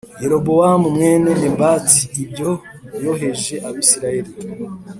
Yerobowamu mwene Nebati ibyo yoheje Abisirayeli